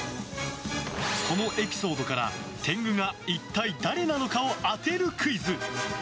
そのエピソードから、天狗が一体誰なのかを当てるクイズ。